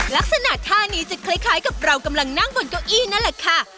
ลักษณะท่านี้จะคล้ายกับเรากำลังนั่งบนเก้าอี้นั่นแหละค่ะ